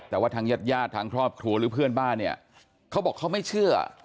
แต่ว่าทางญาติญาติทางครอบครัวหรือเพื่อนบ้านเนี่ยเขาบอกเขาไม่เชื่อ